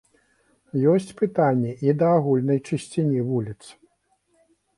Ёсць пытанні і да агульнай чысціні вуліц.